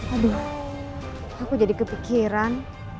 aduh aku jadi kepikiran